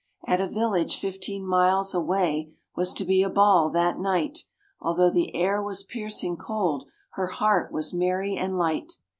At a village fifteen miles away was to be a ball that night; Although the air was piercing cold, her heart was merry and light.